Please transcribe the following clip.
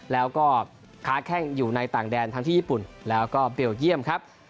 แล้วก็ค้าแข้งอยู่ในต่างแดนทั้งที่ญี่ปุ่นแล้วก็เบลเยี่ยมครับ